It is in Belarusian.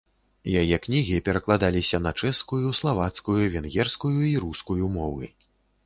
Яе кнігі перакладаліся на чэшскую, славацкую, венгерскую і рускую мовы.